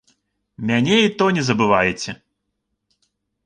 Мяне і то не забываеце.